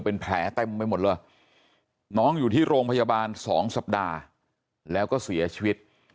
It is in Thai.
เป็นแผลเต็มไปหมดเลยน้องอยู่ที่โรงพยาบาล๒สัปดาห์แล้วก็เสียชีวิต